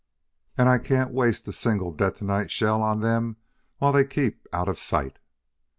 And I can't waste a single detonite shell on them while they keep out of sight.